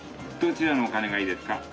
どちらのお金がいいですか？